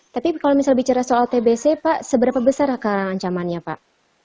tapi kalau misalnya bicara soal tbc pak seberapa besar akan ancamannya pak